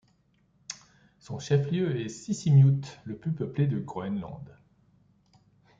Son chef-lieu est Sisimiut, la plus peuplée du Groenland.